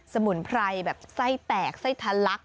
มุนไพรแบบไส้แตกไส้ทะลัก